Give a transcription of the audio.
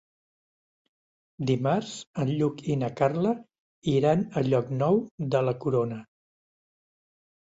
Dimarts en Lluc i na Carla iran a Llocnou de la Corona.